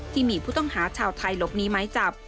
ที่มีผู้ต้องหาชาวไทยหลบหนีไม้จับ